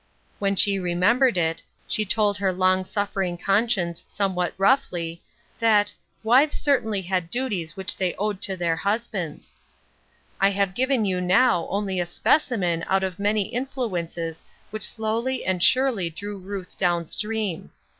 When she remembered it, she told her long suffering conscience somewhat roughl}^ that " wives certainly had duties which they owed to their husbands." I have given you now only a specimen out of many influences which slowly and surely drew Ruth down stream.